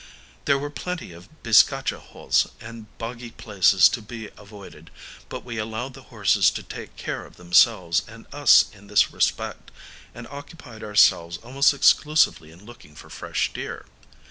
There were plenty of bizcacha holes and boggy places to be avoided; but we allowed the horses to take care of themselves and us in this respect, and occupied ourselves almost exclusively in looking for fresh deer.